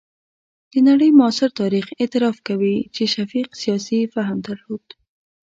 د نړۍ معاصر تاریخ اعتراف کوي چې شفیق سیاسي فهم درلود.